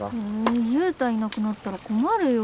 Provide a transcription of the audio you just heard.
ん悠太いなくなったら困るよ。